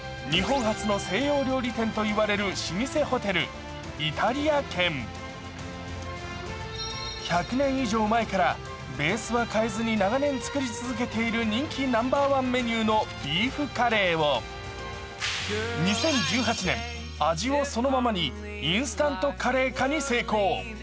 ご当地インスタントカレーとは１００年以上前からベースは変えずに長年作り続けている人気ナンバーワンメニューのビーフカレーを２０１８年味をそのままにインスタントカレー化に成功。